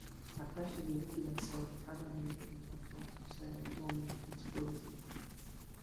A taxa de liquidação de cada membro do consórcio será igualmente entre todos eles.